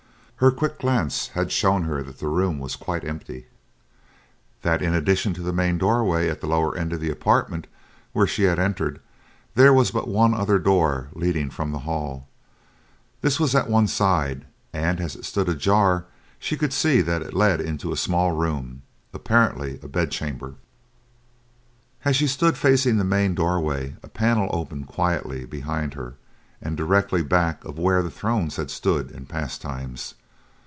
Her quick glance had shown her that the room was quite empty, and that in addition to the main doorway at the lower end of the apartment, where she had entered, there was but one other door leading from the hall. This was at one side, and as it stood ajar she could see that it led into a small room, apparently a bedchamber. As she stood facing the main doorway, a panel opened quietly behind her and directly back of where the thrones had stood in past times.